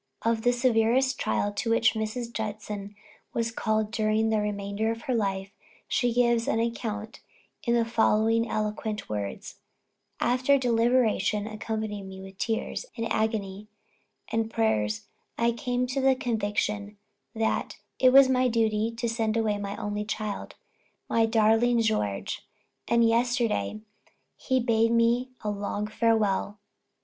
Of the severest trial to which Mrs. Judson was called during the remainder of her life she gives an account in the following eloquent words: "After deliberation, accompanied with tears, and agony and prayers, I came to the conviction that it was my duty to send away my only child, my darling George, and yesterday he bade me a long farewell....